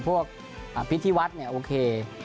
พวกพิษที่วัฏเนี้ยโอเค